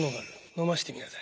のませてみなさい。